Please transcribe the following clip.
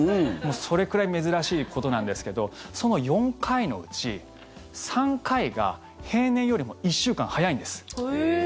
それくらい珍しいことなんですけどその４回のうち３回が平年よりも１週間早いんです。